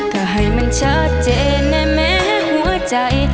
ก็ให้มันชัดเจนนะแม้หัวใจ